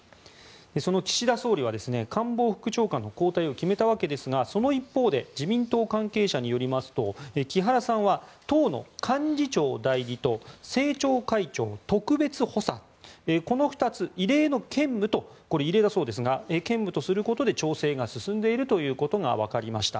その岸田総理は官房副長官の交代を決めたわけですがその一方で自民党関係者によりますと木原さんは党の幹事長代理と政調会長特別補佐この２つ、異例の兼務とこれ、異例だそうですが兼務するということで調整が進んでいるということがわかりました。